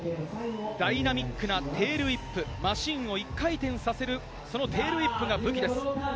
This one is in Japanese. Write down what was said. ダイナミックなテールウィップ、マシンを１回転させる、そのテールウィップが武器です。